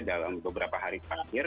dalam beberapa hari terakhir